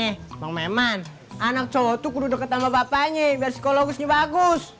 emang memang anak cowok tuh kududuk ketama bapaknya biar psikologusnya bagus